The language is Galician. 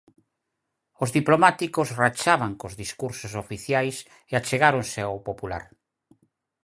Os Diplomáticos rachaban cos discursos oficiais e achegáronse ao popular.